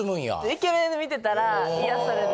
イケメン観てたら癒される。